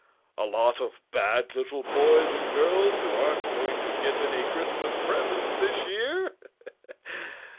A lot of bad little boys and girls who aren't going to get any Christmas presents this year?